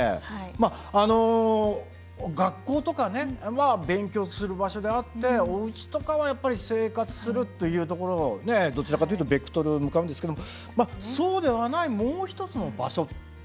あの学校とかね勉強する場所であっておうちとかはやっぱり生活するっていうところどちらかというとベクトル向かうんですけどそうではないもう一つの場所という意味なんですね。